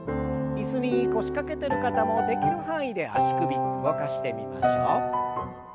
椅子に腰掛けてる方もできる範囲で足首動かしてみましょう。